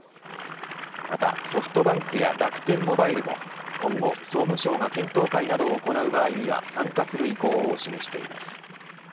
またソフトバンクや楽天モバイルも今後、総務省が検討会などを行う場合には参加する意向を示しています。